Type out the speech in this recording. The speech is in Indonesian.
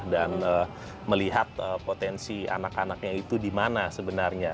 dan melihat potensi anak anaknya itu di mana sebenarnya